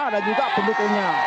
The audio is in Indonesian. dan juga pendukungnya